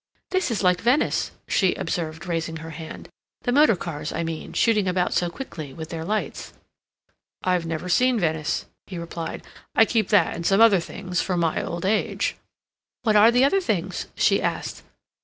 "This is like Venice," she observed, raising her hand. "The motor cars, I mean, shooting about so quickly, with their lights." "I've never seen Venice," he replied. "I keep that and some other things for my old age." "What are the other things?" she asked.